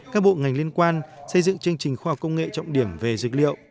các bộ ngành liên quan xây dựng chương trình khoa học công nghệ trọng điểm về dược liệu